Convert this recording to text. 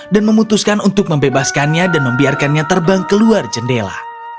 dan memutuskan untuk membebaskannya dan membiarkannya terbang keluar jendela